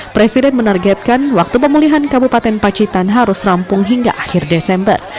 presiden menargetkan waktu pemulihan kabupaten pacitan harus rampung hingga akhir desember